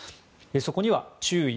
そこには、注意！